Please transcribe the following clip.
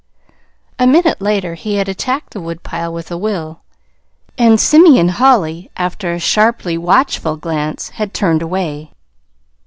A minute later he had attacked the woodpile with a will; and Simeon Holly, after a sharply watchful glance, had turned away.